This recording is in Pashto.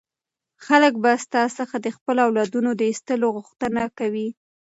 خلک به ستا څخه د خپلو اولادونو د ایستلو غوښتنه کوي.